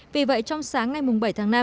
vì vậy trong sáng ngày bảy tháng năm